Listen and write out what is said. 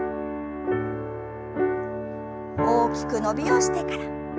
大きく伸びをしてから。